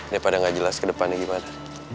daripada gak jelas ke depan ya gimana